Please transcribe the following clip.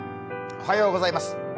おはようございます。